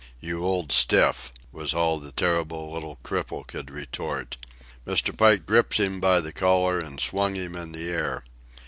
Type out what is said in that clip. "You old stiff," was all the terrible little cripple could retort. Mr. Pike gripped him by the collar and swung him in the air.